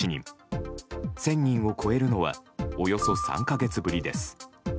１０００人を超えるのはおよそ３か月ぶりです。